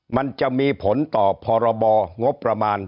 มันจะมีผลต่อพรบงบประมาณ